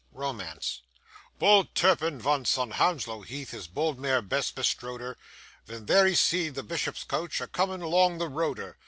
ROMANCE I Bold Turpin vunce, on Hounslow Heath, His bold mare Bess bestrode er; Ven there he see'd the Bishop's coach A coming along the road er.